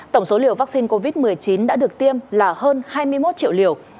tổng số liều vaccine covid một mươi chín đã được tiêm là hơn hai mươi một triệu liều